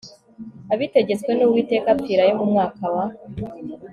abitegetswe n Uwiteka apfirayo mu mwaka wa